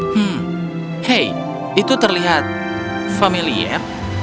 hmm hei itu terlihat familiar